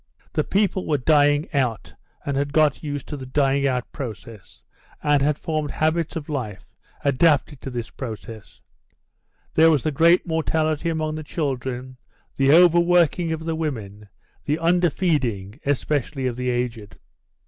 The people were dying out, and had got used to the dying out process, and had formed habits of life adapted to this process: there was the great mortality among the children, the over working of the women, the under feeding, especially of the aged.